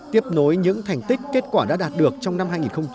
tiếp nối những thành tích kết quả đã đạt được trong năm hai nghìn hai mươi ba